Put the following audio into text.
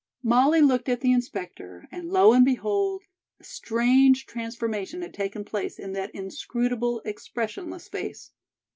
Molly looked at the inspector, and lo and behold, a strange transformation had taken place in that inscrutable, expressionless face.